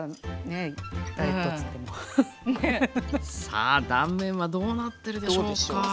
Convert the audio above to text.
さあ断面はどうなってるでしょうか？